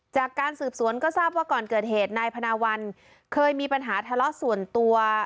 จากการสืบสวนก็ทราบว่าก่อนเกิดเหตุนายพนาวัลเคยมีปัญหาทะเลาะส่วนตัว